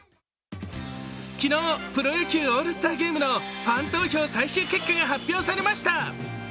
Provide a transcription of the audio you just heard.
昨日、プロ野球オールスターゲームのファン投票最終結果が発表さました。